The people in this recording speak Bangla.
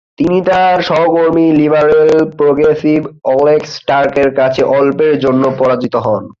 তিনি তার সহকর্মী লিবারেল-প্রোগ্রেসিভ এলেক্স টার্কের কাছে অল্পের জন্য পরাজিত হন।